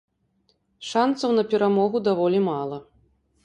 Шанцаў на перамогу даволі мала.